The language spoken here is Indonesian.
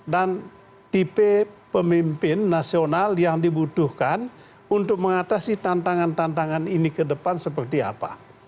dan tipe pemimpin nasional yang dibutuhkan untuk mengatasi tantangan tantangan ini ke depan seperti apa